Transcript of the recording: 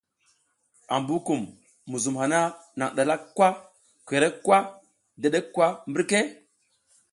Ambukum, muzum hana nang ɗalak kwa, korek kwa dedek kwa mbirka ?